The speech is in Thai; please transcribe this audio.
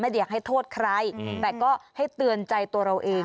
อยากให้โทษใครแต่ก็ให้เตือนใจตัวเราเอง